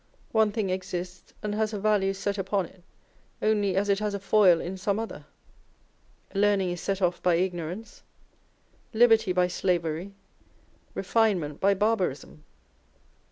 One tiling exists and has a value set upon it only as it has a foil in some other ; learning is set off by ignorance, liberty by slavery, refinement by barbarism.